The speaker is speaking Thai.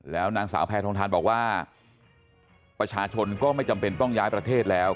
แล้วนางสาวแพทองทานบอกว่าประชาชนก็ไม่จำเป็นต้องย้ายประเทศแล้ว